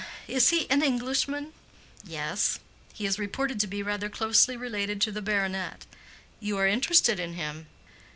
Is he an Englishman?" "Yes. He is reported to be rather closely related to the baronet. You are interested in him?"